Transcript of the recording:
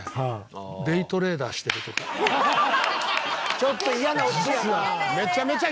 ちょっと嫌なオチやな。